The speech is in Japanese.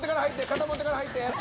肩持ってから入って。